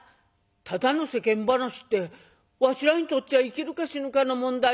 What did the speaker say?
「ただの世間話ってわしらにとっちゃ生きるか死ぬかの問題や。なあ？」。